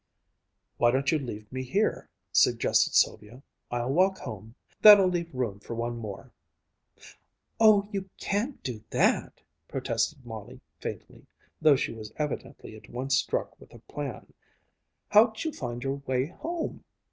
_" "Why don't you leave me here?" suggested Sylvia. "I'll walk home. That'll leave room for one more." "Oh, you can't do that!" protested Molly faintly, though she was evidently at once struck with the plan. "How'd you find your way home?"